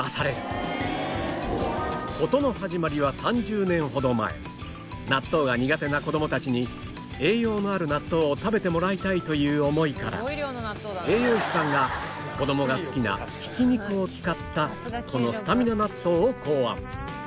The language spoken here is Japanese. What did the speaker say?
事の始まりは３０年ほど前納豆が苦手な子供たちに栄養のある納豆を食べてもらいたいという思いから栄養士さんが子供が好きなひき肉を使ったこのスタミナ納豆を考案